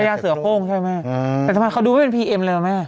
ยาเสือโค้งใช่ไหมแต่ทำไมเขาดูไม่เป็นพีเอ็มเลยล่ะแม่